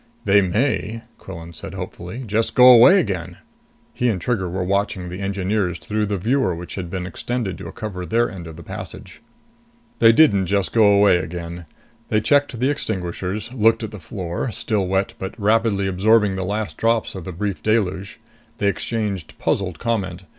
"They may," Quillan said hopefully, "just go away again." He and Trigger were watching the engineers through the viewer which had been extended to cover their end of the passage. They didn't just go away again. They checked the extinguishers, looked at the floor, still wet but rapidly absorbing the last drops of the brief deluge. They exchanged puzzled comment.